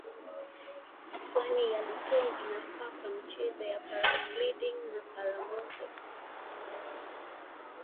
Lutong Beach is suitable for paragliding and paramotor sports.